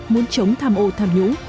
muốn chống tham ô tham nhũng